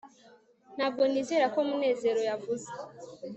ntabwo nizera ko munezero yavuze